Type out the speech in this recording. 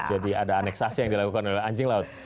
jadi ada aneksasi yang dilakukan oleh anjing laut